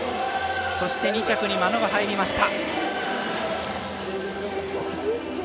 そして、２着に眞野が入りました。